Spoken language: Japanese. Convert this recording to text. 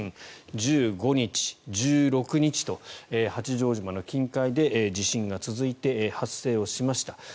１５日、１６日と八丈島の近海で地震が続いて発生をしました。